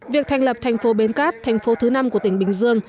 việc thành lập thành phố bến cát thành phố thứ năm của tỉnh bình dương